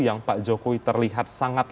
yang pak jokowi terlihat sangat